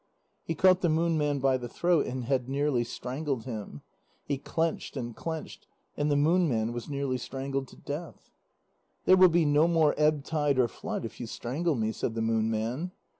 He caught the Moon Man by the throat, and had nearly strangled him. He clenched and clenched, and the Moon Man was nearly strangled to death. "There will be no more ebb tide or flood if you strangle me," said the Moon Man.